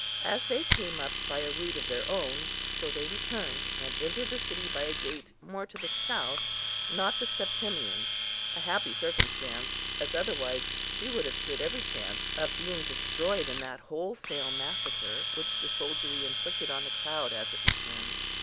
As they came up by a route of their own, so they returned, and entered the city by a gate more to the south, not the Septimian; a happy circumstance, as otherwise she would have stood every chance of being destroyed in that wholesale massacre which the soldiery inflicted on the crowd as it returned.